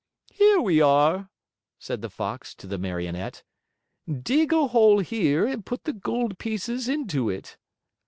"Here we are," said the Fox to the Marionette. "Dig a hole here and put the gold pieces into it."